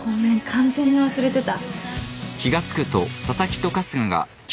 完全に忘れてた。